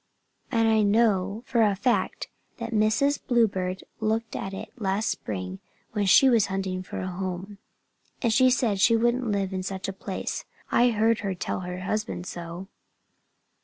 And I know for a fact that Mrs. Bluebird looked at it last spring when she was hunting for a home. And she said she wouldn't live in such a place. I heard her tell her husband so."